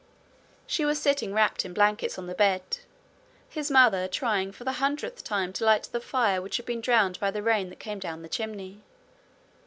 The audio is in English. She was sitting wrapped in blankets on the bed, his mother trying for the hundredth time to light the fire which had been drowned by the rain that came down the chimney.